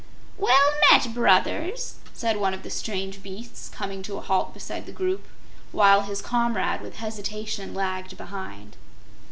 "Well met, Brothers!" said one of the strange beasts, coming to a halt beside the group, while his comrade with hesitation lagged behind.